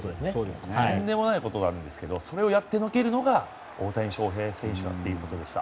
とんでもないことなんですがそれをやってのけるのが大谷翔平選手だってことでした。